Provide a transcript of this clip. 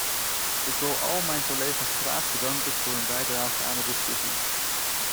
Ik wil al mijn collega's graag bedanken voor hun bijdrage aan de discussie.